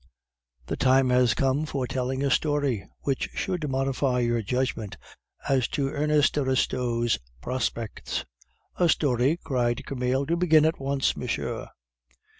"The time has come for telling a story, which should modify your judgment as to Ernest de Restaud's prospects." "A story?" cried Camille. "Do begin at once, monsieur."